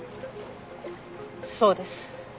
そうです。